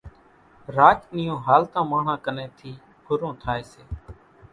راچ نِيون هالتان ماڻۿان ڪنين ٿِي ڦُرون ٿائيَ سي۔